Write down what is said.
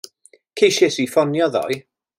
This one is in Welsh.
Ceisiais i ffonio ddoe.